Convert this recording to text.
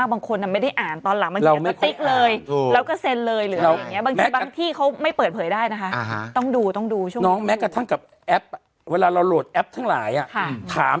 บางทีไล่ลงมาดูข้างล่างเลยก็ได้